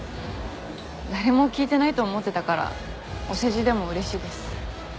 誰も聴いてないと思ってたからお世辞でもうれしいです。